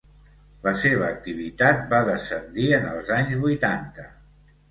La seva activitat va descendir en els anys vuitanta.